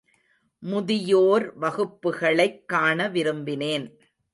முதியோர் வகுப்புகளைக் காண விரும்பினேன்.